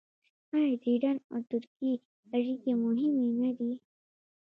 آیا د ایران او ترکیې اړیکې مهمې نه دي؟